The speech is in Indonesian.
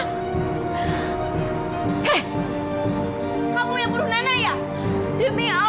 vegikamu dengan keadaan ini dan kamu mencari penyakit yang tidak wajib melakukannya